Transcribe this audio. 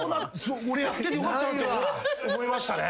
俺やっててよかったなって思いましたね。